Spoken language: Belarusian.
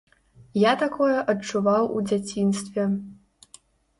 Я такое адчуваў у дзяцінстве.